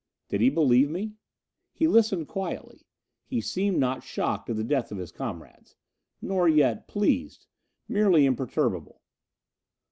Did he believe me? He listened quietly. He seemed not shocked at the death of his comrades. Nor yet pleased: merely imperturbable.